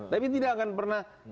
tapi tidak akan pernah